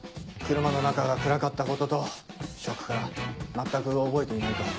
車の中が暗かったこととショックから全く覚えていないと。